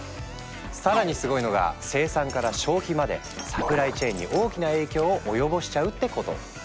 更にすごいのが生産から消費までサプライチェーンに大きな影響を及ぼしちゃうってこと。